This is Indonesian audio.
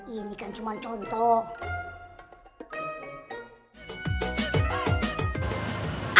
ini kan cuma contoh